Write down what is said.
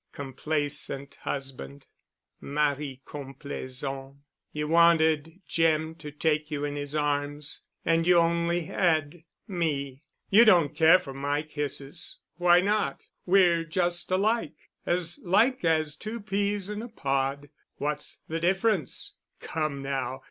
"Complaisant husband—mari complaisant. You wanted Jim to take you in his arms—and you only had me. You don't care for my kisses. Why not? We're just alike—as like as two peas in a pod. What's the difference? Come now.